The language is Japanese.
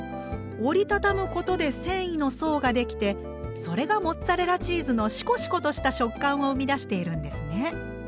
折り畳むことで繊維の層ができてそれがモッツァレラチーズのシコシコとした食感を生み出しているんですね。